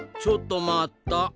ちょっと待った。